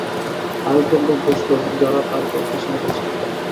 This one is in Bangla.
আরেক দল লোক বসল, যারা তার কথা শুনতে চায়।